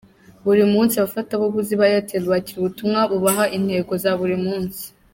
Buri munsi, abafatabuguzi ba Airtel bakira ubutumwa bubaha intego za buri munsi.